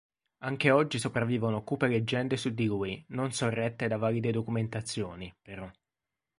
Anche oggi sopravvivono cupe leggende su di lui, non sorrette da valide documentazioni, però.